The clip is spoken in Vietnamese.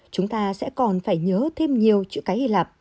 chúng ta sẽ còn phải nhớ thêm nhiều chữ cái hy lạp